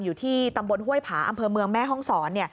อยู่ที่ตำบลห้วยผาอำเภอเมืองแม่ห้องศร